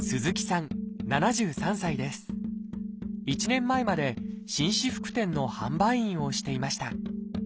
１年前まで紳士服店の販売員をしていました。